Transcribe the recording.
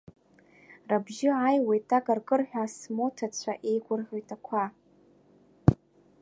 Рыбжьы ааҩуеит акыркырҳәа, смоҭацәа еигәырӷьоит ақәа.